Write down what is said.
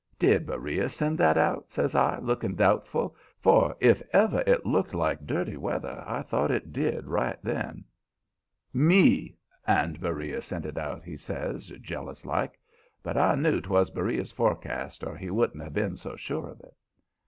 "Did Beriah send that out?" says I, looking doubtful, for if ever it looked like dirty weather, I thought it did right then. "ME and Beriah sent it out," he says, jealous like. But I knew 'twas Beriah's forecast or he wouldn't have been so sure of it.